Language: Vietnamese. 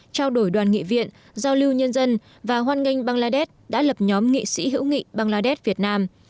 trao đổi đoàn nghị viện giao lưu nhân dân và hoan nghênh bangladesh đã lập nhóm nghị sĩ hữu nghị bangladesh việt nam